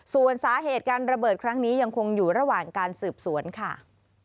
ส่วนสาเหตุการระเบิดครั้งนี้ยังคงอยู่ระหว่างการสืบสวนค่ะ